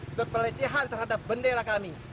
untuk pelecehan terhadap bendera kami